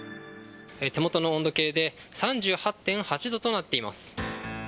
手元の温度計で３８．８度となっています。